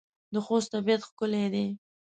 د خوست طبيعت ښکلی دی.